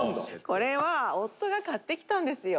「これは夫が買ってきたんですよ」